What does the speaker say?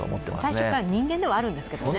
最初から人間ではあるんですけどね。